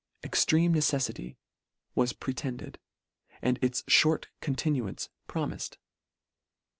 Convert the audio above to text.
Extreme necemty was pretended, and its fhort continuance promifed.